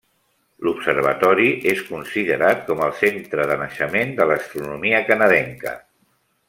L'observatori és considerat com el centre de naixement de l'astronomia canadenca.